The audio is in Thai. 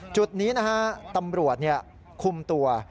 จุดนี้นะฮะตำรวจคุมตัว